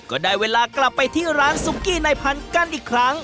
ก็ได้เวลากลับไปที่ร้านซุกี้ในพันธุ์กันอีกครั้ง